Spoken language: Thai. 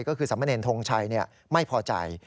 ก็คือสมเนรทงชัยไม่พอใจ